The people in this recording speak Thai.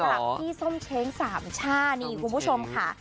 กับพี่ส้มเช้งสามช่านี่คุณผู้ชมค่ะ